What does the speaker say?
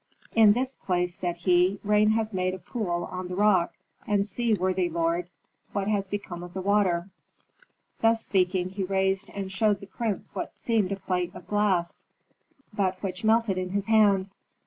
"In this place," said he, "rain has made a pool on the rock. And see, worthy lord, what has become of the water." Thus speaking, he raised and showed the prince what seemed a plate of glass, but which melted in his hand.